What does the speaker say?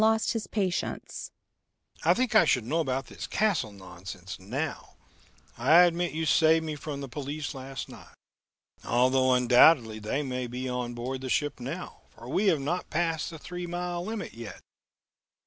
"I think I should know about this castle nonsense now. I admit you saved me from the police last night although undoubtedly they may be on board the ship now, for we have not passed the three mile limit yet.